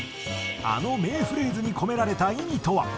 あの名フレーズに込められた意味とは？